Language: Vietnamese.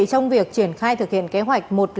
trong việc triển khai thực hiện kế hoạch một trăm linh năm